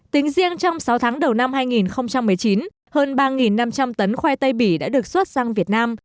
tính riêng trong sáu tháng đầu năm hai nghìn một mươi chín hơn ba năm trăm linh tấn khoai tây bỉ đã được xuất sang việt nam